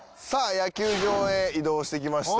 野球場へ移動してきました。